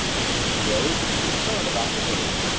He rose and took a turn about the room.